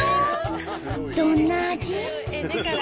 どんな味？